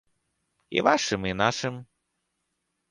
І вашым, і нашым.